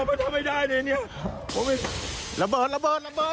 ระเบิดระเบิดระเบิดระเบิดระเบิด